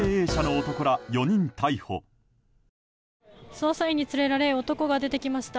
捜査員に連れられ男が出てきました。